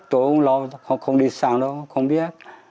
tối hôm lâu họ không đi sang đâu không biết